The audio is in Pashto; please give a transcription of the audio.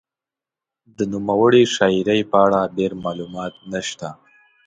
د نوموړې شاعرې په اړه ډېر معلومات نشته.